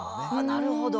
なるほど。